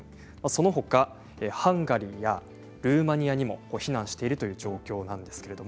そのほかハンガリーやルーマニアにも避難しているという状況です。